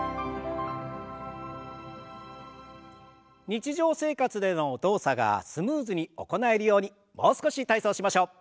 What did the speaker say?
日常生活での動作がスムーズに行えるようにもう少し体操をしましょう。